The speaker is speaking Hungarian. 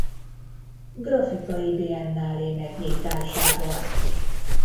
Grafikai Biennálé megnyitásával.